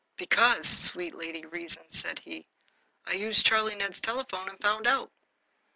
"Because, sweet Lady Reason," said he, "I used Charlie Ned's telephone and found out."